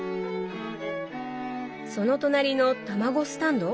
その隣の卵スタンド？